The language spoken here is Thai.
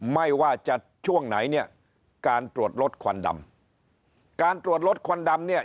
ไม่ว่าจะช่วงไหนเนี่ยการตรวจรถควันดำการตรวจรถควันดำเนี่ย